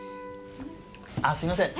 あすいません